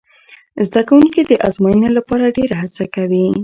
زده کوونکي د ازموینې لپاره ډېره هڅه کوي.